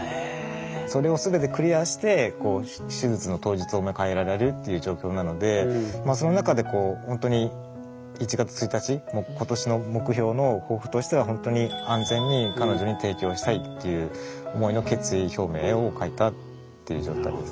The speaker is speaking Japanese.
それを全てクリアして手術の当日を迎えられるっていう状況なのでその中でほんとに１月１日今年の目標の抱負としてはほんとにっていう思いの決意表明を書いたっていう状態です。